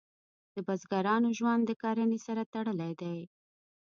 د بزګرانو ژوند د کرنې سره تړلی دی.